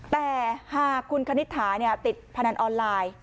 แต่หากคุณคณิตถาติดพนันออนไลน์